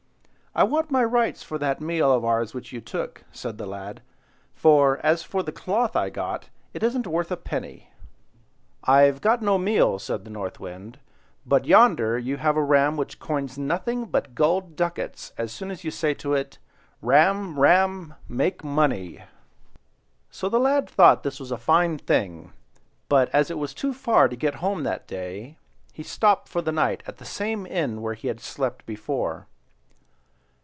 "I want my rights for that meal of ours which you took," said the lad; "for, as for that cloth I got, it isn't worth a penny." "I've got no meal," said the North Wind; "but yonder you have a ram which coins nothing but golden ducats as soon as you say to it— "'Ram, ram! Make money!'" So the lad thought this a fine thing; but as it was too far to get home that day, he stopped for the night at the same inn where he had slept before.